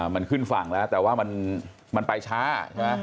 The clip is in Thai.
มันขึ้นฝั่งแล้วแต่ว่ามันไปช้า